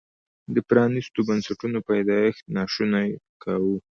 د پرانیستو بنسټونو پیدایښت ناشونی کاوه.